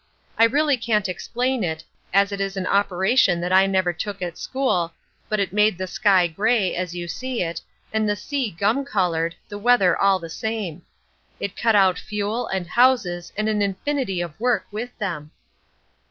I really can't explain it, as it is an operation that I never took at school, but it made the sky grey, as you see it, and the sea gum coloured, the weather all the same. It cut out fuel and houses and an infinity of work with them!"